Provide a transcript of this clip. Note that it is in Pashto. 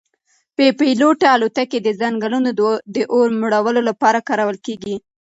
بې پیلوټه الوتکې د ځنګلونو د اور مړولو لپاره کارول کیږي.